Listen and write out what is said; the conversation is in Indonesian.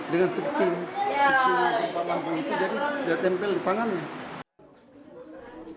dengan tepi tepi lampu lampu itu jadi dia tempel di tangannya